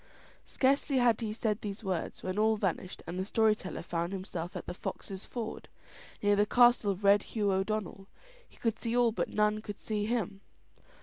Scarcely had he said these words when all vanished, and the story teller found himself at the Foxes' Ford, near the castle of Red Hugh O'Donnell. He could see all but none could see him.